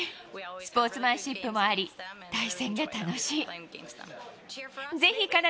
スポーツマンシップもあり、対戦が楽しい。